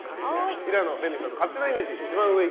平野レミさんの勝手なイメージ。